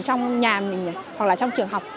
trong nhà mình hoặc là trong trường học